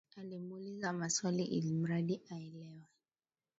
Alimwuliza maswali ilmradi aelewe